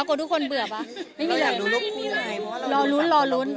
ข้างนี้มีอะไร